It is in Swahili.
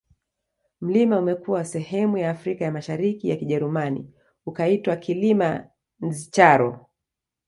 Mlima umekuwa sehemu ya Afrika ya Mashariki ya Kijerumani ukaitwa Kilima Ndscharo